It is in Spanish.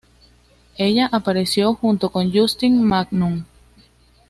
Ella apareció junto con Justin Magnum.